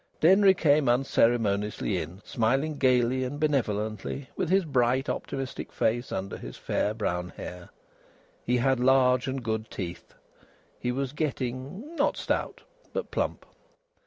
Denry came unceremoniously in, smiling gaily and benevolently, with his bright, optimistic face under his fair brown hair. He had large and good teeth. He was getting not stout, but plump.